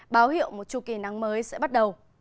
báo hiệu một chu kỳ nắng mới sẽ bắt đầu